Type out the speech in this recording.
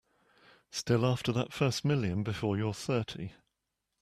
Still after that first million before you're thirty.